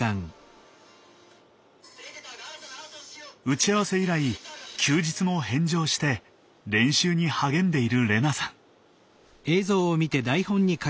打ち合わせ以来休日も返上して練習に励んでいる玲那さん。